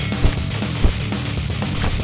bang harus kuat bang